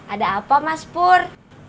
ada apa mas pur